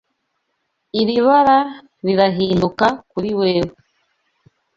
Iri bara rirahinduka kuri wewe.